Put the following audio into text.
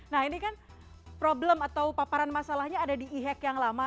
nah ini kan problem atau paparan masalahnya ada di e hack yang lama